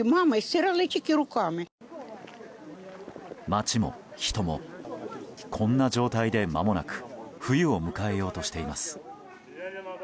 街も人も、こんな状態でまもなく冬を迎えようとしています。